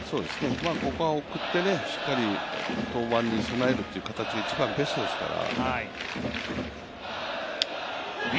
ここは送って、しっかり登板に備える形が一番ベストですから。